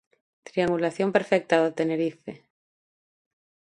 Triangulación perfecta do Tenerife.